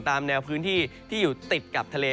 ตามแนวพื้นที่ที่อยู่ติดกับทะเล